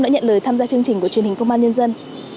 đã nhận lời tham gia chương trình của truyền hình công an nhân dân